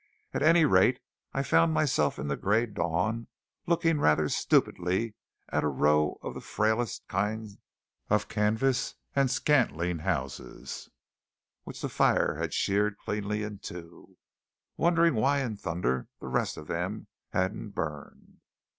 At any rate, I found myself in the gray dawn looking rather stupidly at a row of the frailest kind of canvas and scantling houses which the fire had sheared cleanly in two, and wondering why in thunder the rest of them hadn't burned!